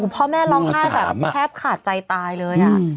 พ่อแม่ร้องไห้แบบแทบขาดใจตายเลย